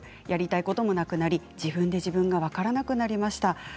やりたいこともなくなり自分で自分が分からなくなりました。